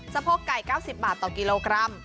โพกไก่๙๐บาทต่อกิโลกรัม